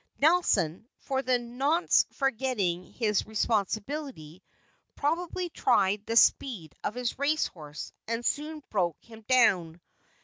Nelson, for the nonce forgetting his responsibility, probably tried the speed of his race horse and soon broke him down.